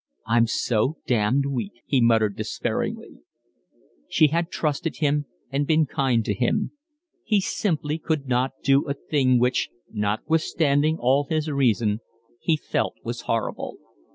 "I'm so damned weak," he muttered despairingly. She had trusted him and been kind to him. He simply could not do a thing which, notwithstanding all his reason, he felt was horrible.